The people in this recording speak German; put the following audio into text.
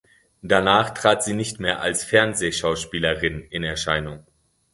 Danach trat sie nicht mehr als Fernsehschauspielerin in Erscheinung.